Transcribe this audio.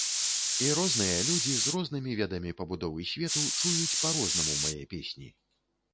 І розныя людзі з рознымі ведамі пабудовы свету чуюць па-рознаму мае песні.